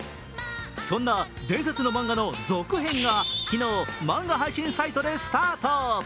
そんな伝説の漫画の続編が昨日、漫画配信サイトでスタート。